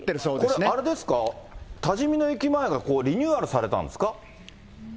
これ、あれですか、多治見の駅前がリニューアルされたんです